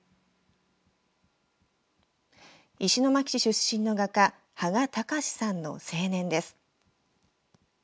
石巻市出身の画家芳賀仭さんの青年です。